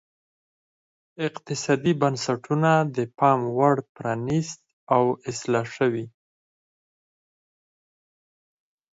اقتصادي بنسټونه د پاموړ پرانیست او اصلاح شوي.